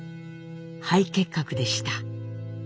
肺結核でした。